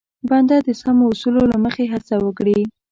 بنده د سمو اصولو له مخې هڅه وکړي.